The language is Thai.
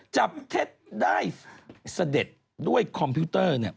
จับเท็จได้เสด็จด้วยคอมพิวเตอร์